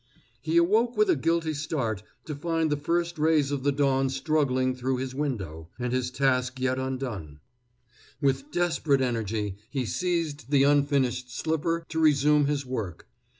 He awoke with a guilty start to find the first rays of the dawn struggling through his window, and his task yet undone. With desperate energy he seized the unfinished slipper to resume his work.